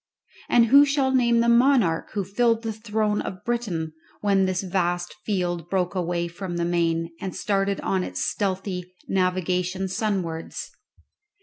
And who shall name the monarch who filled the throne of Britain when this vast field broke away from the main and started on its stealthy navigation sunwards?